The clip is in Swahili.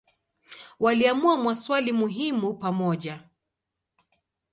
Waliamua maswali muhimu pamoja.